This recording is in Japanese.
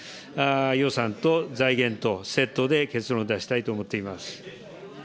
予算と財源とセットで結論を出したいと思っています。